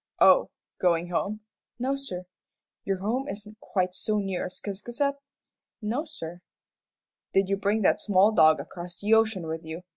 "Oh, going home?" "No, sir." "Your home isn't quite so near as Ciscasset?" "No, sir." "Did you bring that small dog across the ocean with you?"